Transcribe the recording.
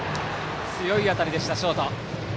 強い当たりでした、ショート。